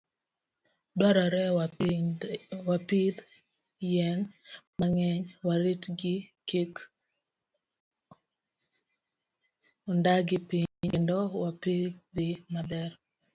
Dwarore wapidh yien mang'eny, waritgi kik ong'adgi piny, kendo wapidhi maber.